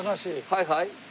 はいはい。